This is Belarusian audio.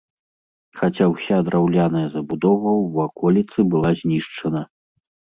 Хаця ўся драўляная забудова ў ваколіцы была знішчана.